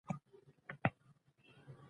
دا د اکبر باچا د زمانې خبره ده